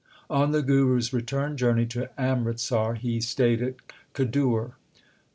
On the Guru s return journey to Amritsar he stayed at Khadur.